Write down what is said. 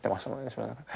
自分の中で。